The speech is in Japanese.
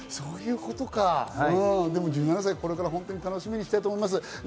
１７歳、これから本当に楽しみにしたいと思います。